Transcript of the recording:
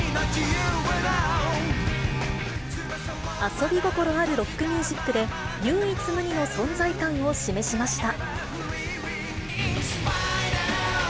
遊び心あるロックミュージックで、唯一無二の存在感を示しました。